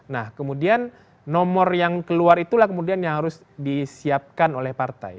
nah kemudian nomor yang keluar itulah kemudian yang harus disiapkan oleh partai